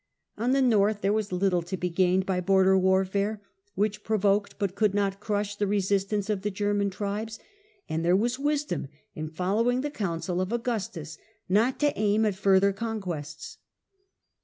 On the north there was a mission to little to be gained by border warfare, which the East. provokcd but could not crush the resistance of the German tribes, and there was wisdom in following the counsel of Augustus not to aim at further conquests.